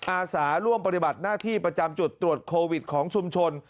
อาสาร่วมปฏิบัติหน้าที่ประจำจุดตรวจโควิดของชุมชน